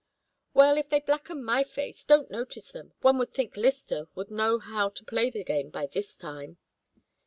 "Well, if they blacken my face don't notice them. One would think Lyster would know how to play the game by this time."